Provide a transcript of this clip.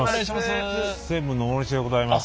専務の大西でございます。